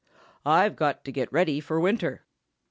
"I've got to get ready for winter."